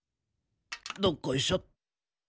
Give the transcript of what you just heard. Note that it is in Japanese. どっこいしょ。